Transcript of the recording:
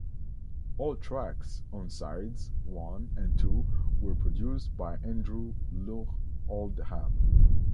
All tracks on sides one and two were produced by Andrew Loog Oldham.